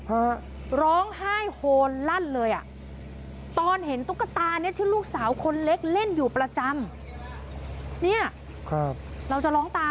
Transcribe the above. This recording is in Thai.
ฮะร้องไห้โฮนรั่นเลยอ่ะตอนเห็นตุ๊กตานี้ที่ลูกสาวคนเล็กเล่นอยู่ประจำ